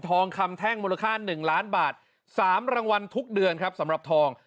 ทองคำแท่งมูลค่า๑ล้านบาท๓รางวัลทุกเดือนครับสำหรับทอง